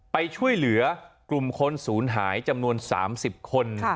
ไปช่วยเหลือกลุ่มคนศูนย์หายจำนวน๓๐คน